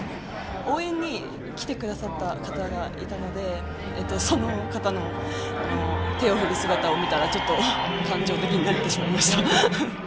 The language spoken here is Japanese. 応援に来てくださった人がいたのでその方の手を振る姿を見たら少し感情的になってしまいました。